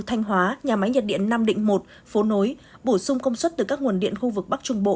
thanh hóa nhà máy nhiệt điện nam định một phố nối bổ sung công suất từ các nguồn điện khu vực bắc trung bộ